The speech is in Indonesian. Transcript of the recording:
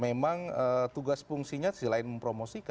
karena memang tugas fungsinya selain mempromosi